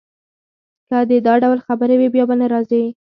که دي دا ډول خبرې وې، بیا به نه راځې.